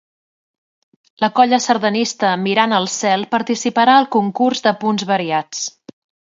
La colla sardanista Mirant al Cel participarà al concurs de punts variats